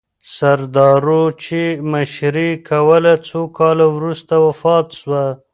سردارو چې مشري یې کوله، څو کاله وروسته وفات سوه.